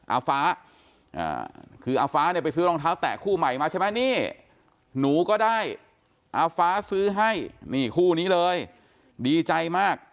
อาฟ้าคืออาฟ้าเนี่ยไปซื้อรองเท้าแตะคู่ใหม่มาใช่ไหมนี่หนูก็ได้อาฟ้าซื้อให้นี่คู่นี้เลยดีใจมาก